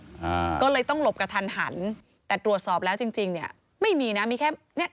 อ่าก็เลยต้องหลบกระทันหันแต่ตรวจสอบแล้วจริงจริงเนี้ยไม่มีนะมีแค่เนี้ย